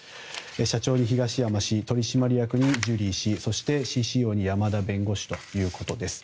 社長に東山氏取締役にジュリー氏そして、ＣＣＯに山田弁護士ということです。